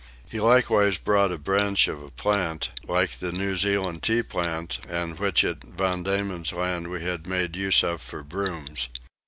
He likewise brought a branch of a plant like the New Zealand tea plant, and which at Van Diemen's land we had made use of for brooms.